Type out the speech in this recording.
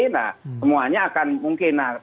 nah semuanya akan mungkin